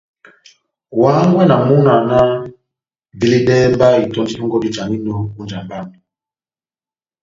Wa hángwɛ na múna wamu náh :« veledɛhɛ mba itɔ́ndi dɔngɔ dijaninɔ ó njamba yami »